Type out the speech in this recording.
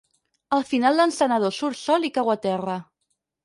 Al final l'encenedor surt sol i cau a terra.